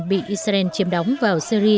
bị israel chiếm đóng vào syri